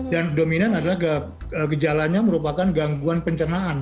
dan dominan adalah gejalanya merupakan gangguan pencernaan